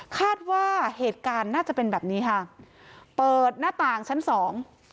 คาดว่าเหตุการณ์น่าจะเป็นแบบนี้ค่ะเปิดหน้าต่างชั้นสอง